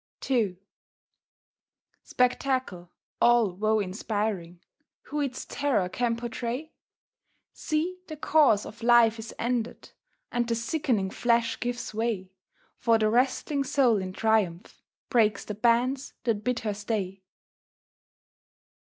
II Spectacle all woe inspiring Who its terror can pourtray? See, the course of life is ended, And the sickening flesh gives way, For the wrestling soul in triumph Breaks the bands that bid her stay.